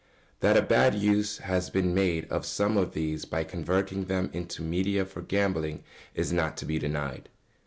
That a bad use has been made of some of these by converting them into media for gambling is not to be denied.